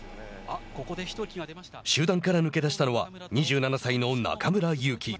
集団から抜け出したのは２７歳の中村祐紀。